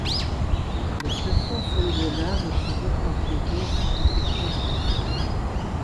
Les pressions sur le dollar ne pouvaient qu’empirer, ce qui se produisit.